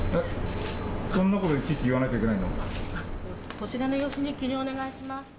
こちらの用紙に記入をお願いします。